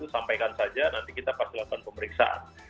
sampaikan saja nanti kita persilapan pemeriksaan